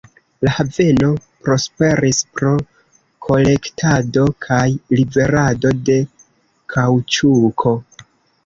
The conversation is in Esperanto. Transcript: La haveno prosperis pro kolektado kaj liverado de kaŭĉuko.